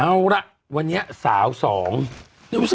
เอาละวันนี้สาวสอง